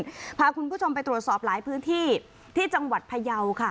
คุณผู้ชมพาคุณผู้ชมไปตรวจสอบหลายพื้นที่ที่จังหวัดพยาวค่ะ